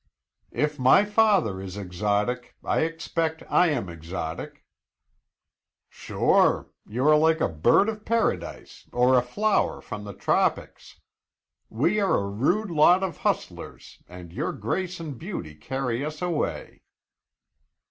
"If my father is exotic, I expect I am exotic." "Sure! You are like a bird of paradise or a flower from the tropics. We are a rude lot of hustlers and your grace and beauty carry us away."